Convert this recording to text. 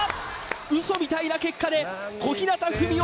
ウソみたいな結果で小日向文世